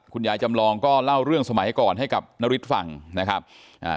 จำลองก็เล่าเรื่องสมัยก่อนให้กับนฤทธิ์ฟังนะครับอ่า